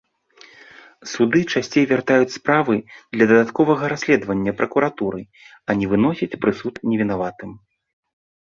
Суды часцей вяртаюць справы для дадатковага расследавання пракуратуры, а не выносяць прысуд невінаватым.